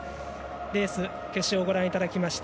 レース決勝をご覧いただきました。